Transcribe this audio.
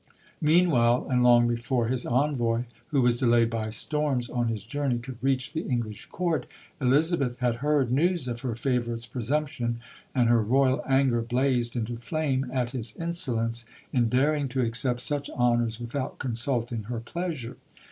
Meanwhile, and long before his envoy, who was delayed by storms on his journey, could reach the English Court, Elizabeth had heard news of her favourite's presumption, and her Royal anger blazed into flame at his insolence in daring to accept such honours without consulting her pleasure.